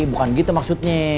bukan gitu maksudnya